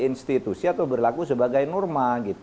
institusi atau berlaku sebagai norma